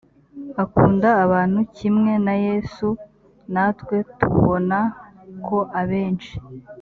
akunda abantu kimwe na yesu natwe tubona ko abenshi